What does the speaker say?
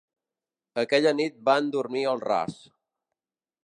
Aquella nit van dormir al ras.